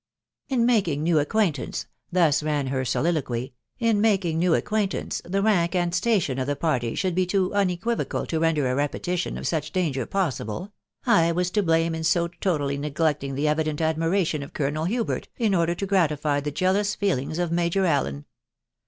in making new acquaintance," thus ran her soliloquy— in making new acquaintance, the rank and station of the party should be too unequivocal to render a repetition of such danger possible .... I was to blame in so totally neglecting the evident admiration of Colonel Hubert, in order to gratify the jealous feelings of Major Allen